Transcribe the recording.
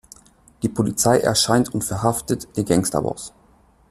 Die Polizei erscheint und verhaftet den Gangsterboss.